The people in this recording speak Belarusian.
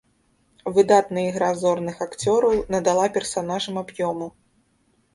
Выдатная ігра зорных акцёраў надала персанажам аб'ёму.